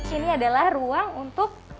ini adalah ruang untuk